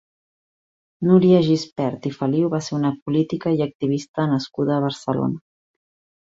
Núria Gispert i Feliu va ser una política i activista nascuda a Barcelona.